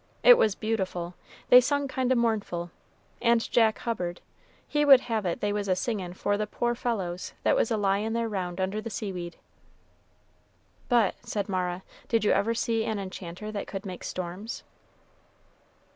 It was beautiful; they sung kind o' mournful; and Jack Hubbard, he would have it they was a singin' for the poor fellows that was a lyin' there round under the seaweed." "But," said Mara, "did you ever see an enchanter that could make storms?"